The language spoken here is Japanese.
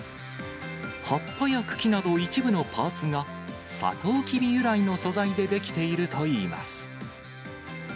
葉っぱや茎など、一部のパーツがサトウキビ由来の素材で出来ているといいます。